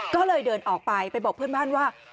ก็เลยเดินออกไปไปบอกเพื่อนบ้านว่า